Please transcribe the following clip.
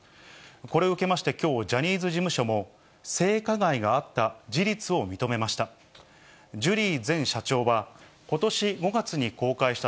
これを受けましてきょう、ジャニーズ事務所も、性加害があった事実を認めました。